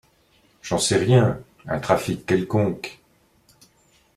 J’en sais rien ! Un trafic quelconque.